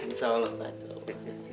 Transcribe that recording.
insya allah pak